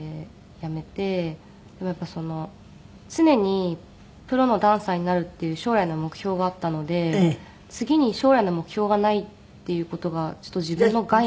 でもやっぱり常にプロのダンサーになるっていう将来の目標があったので次に将来の目標がないっていう事がちょっと自分の概念に。